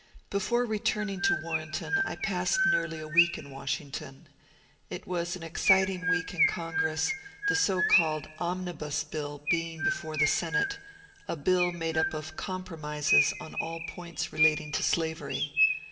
Before returning to Warrenton I passed nearly a week in Washington. It was an exciting week in Congress, the so called ^^ Omnibus" bill being before the Senate, — a bill made up of ^^ compromises " on all points relating to slavery.